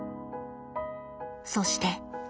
そして。